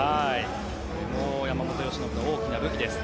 これも山本由伸の大きな武器です。